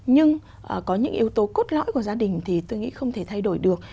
nhưng có những yếu tố cốt lõi của gia đình thì tôi nghĩ không thể thay đổi được